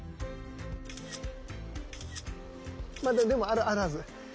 まだでもあるはず。